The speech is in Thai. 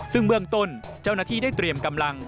ซึ่งเบื้องต้นเจ้าหน้าที่ได้เตรียมกำลัง